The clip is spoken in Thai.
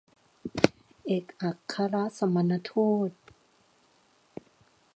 เอกอัครสมณทูต